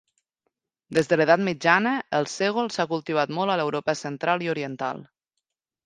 Des de l'Edat Mitjana, el sègol s'ha cultivat molt a l'Europa central i oriental.